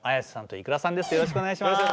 よろしくお願いします。